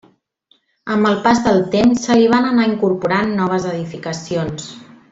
Amb el pas del temps, se li van anar incorporant noves edificacions.